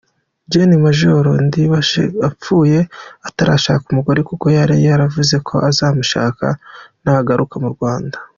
Gen Maj Ndibabaje apfuye atarashaka umugore kuko yari yaravuze ko azamushaka nagaruka mu Rwanda.